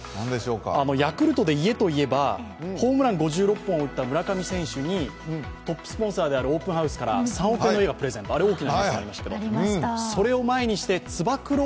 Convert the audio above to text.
ヤクルトで家といえば、ホームラン５６本を打った村上選手にトップスポンサーであるオープンハウスから３億円の家が贈られるあれ、大きな話題になりましたが、それを前にしてつば九郎